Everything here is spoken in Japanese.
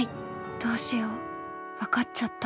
どうしよう分かっちゃった。